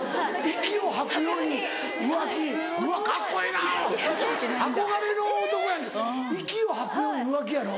息を吐くように浮気やろ。